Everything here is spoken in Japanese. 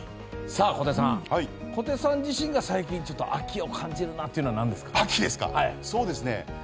小手さん自身が最近秋を感じるなっていうのは何ですか？